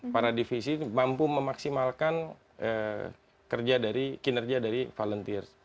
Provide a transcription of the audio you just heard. para divisi mampu memaksimalkan kinerja dari volunteer